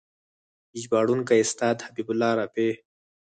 ژباړونکی: استاد حبیب الله رفیع